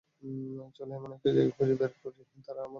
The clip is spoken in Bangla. চল এমন একটা জায়গা খুঁজে বের করি, যেখানে তারা আমাদের খুঁজে পাবে না।